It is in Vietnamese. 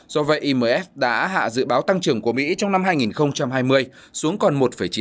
do vậy imf đã hạ dự báo tăng trưởng của mỹ trong năm hai nghìn hai mươi xuống còn một chín